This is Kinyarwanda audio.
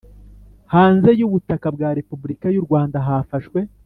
hanze y ubutaka bwa Repubulika y urwanda hafashwe